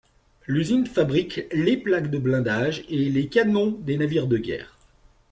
L'usine fabrique les plaques de blindage et les canons des navires de guerre.